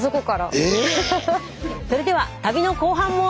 それでは旅の後半も。